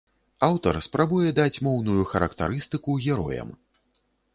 Аўтар спрабуе даць моўную характарыстыку героям.